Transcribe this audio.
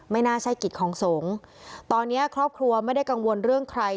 น่าใช่กิจของสงฆ์ตอนนี้ครอบครัวไม่ได้กังวลเรื่องใคร